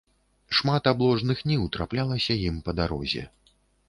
Шмат абложных ніў траплялася ім па дарозе.